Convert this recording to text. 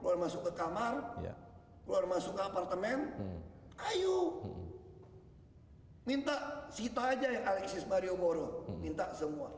keluar masuk ke kamar keluar masuk ke apartemen ayo minta sito aja yang alexis marioboro minta semua